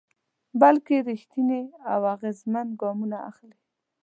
بلکې رېښتيني او اغېزمن ګامونه اخلي.